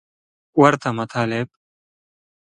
ورته مطالب